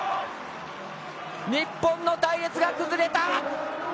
日本の隊列が崩れた！